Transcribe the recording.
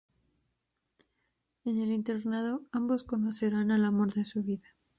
En el internado, ambos conocerán al amor de su vida.